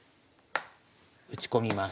打ち込みます。